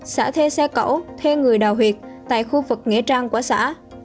xã thuê xe cẩu thuê người đào huyệt tại khu vực nghĩa trang của xã